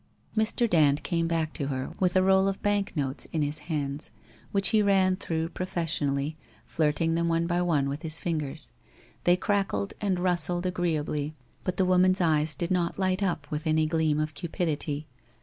...' Mr. Dand came back to her, with a roll of banknotes in his hands, which he ran through professionally, flirting them one by one with his fingers. They crackled and rustled agreeably but the woman's eyes did not light up with any gleam of cupidity.